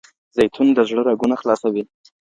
زیتون د زړه رګونه خلاصوي.